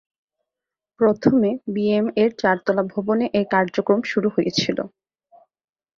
প্রথমে B M এর চারতলা ভবনে এর কার্যক্রম শুরু হয়েছিল।